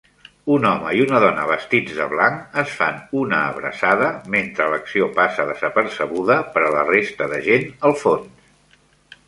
Un home i una dona vestits de blanc es fan una abraçada, mentre l'acció passa desapercebuda per a la resta de gent al fons